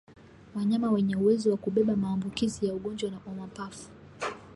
Wanyama wenye uwezo wa kubeba maambukizi ya ugonjwa wa mapafu